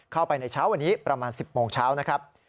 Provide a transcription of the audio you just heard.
เข้าไปในเช้าวันนี้ประมาณ๑๐โมงเช้านะครับ